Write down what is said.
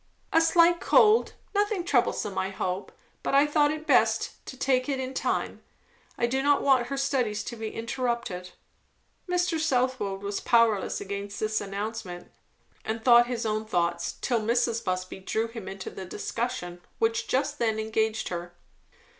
"A slight cold nothing troublesome, I hope; but I thought best to take it in time. I do not want her studies to be interrupted." Mr. Southwode was powerless against this announcement, and thought his own thoughts, till Mrs. Busby drew him into the discussion which just then engaged her.